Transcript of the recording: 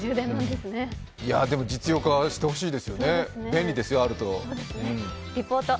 でも、実用化してほしいですよね、あると便利ですよ。